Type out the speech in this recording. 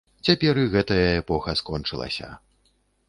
Цяпер і гэтая эпоха скончылася.